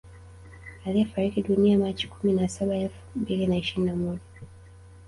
Aliyefariki dunia machi kumi na saba elfu mbili na ishirini na moja